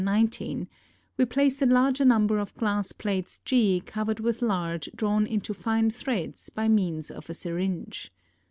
19) we place a larger number of glass plates g covered with lard drawn into fine threads by means of a syringe.